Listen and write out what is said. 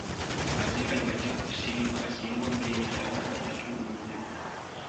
Abaserikale bajja kusibibwa singa omulenzi aba nga yatulugunyizibwa.